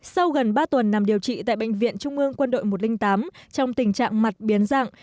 sau gần ba tuần nằm điều trị tại bệnh viện trung ương quân đội một trăm linh tám trong tình trạng mặt biến dạng